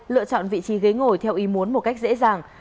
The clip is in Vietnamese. lựa chọn vị trí ghế ngồi theo ý muốn một cách dễ dàng